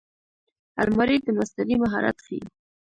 الماري د مستري مهارت ښيي